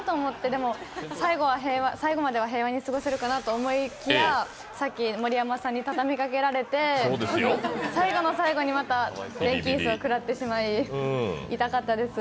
でも最後までは平和に過ごせるかなと思いきや、さっき盛山さんに畳みかけられて、最後の最後にまた電気椅子を食らってしまい、痛かったです。